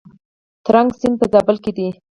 ترنک سیند په زابل کې دی؟